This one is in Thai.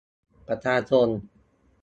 ประชาชน